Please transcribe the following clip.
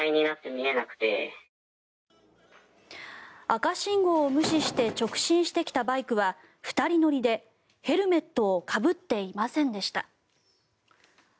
赤信号を無視して直進してきたバイクは２人乗りでヘルメットをかぶっていませんでした。